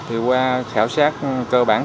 thì qua khảo sát cơ bản